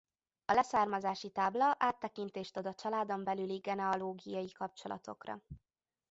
A leszármazási tábla áttekintést ad a családon belüli genealógiai kapcsolatokra.